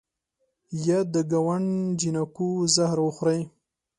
یه د ګاونډ جینکو زهر وخورئ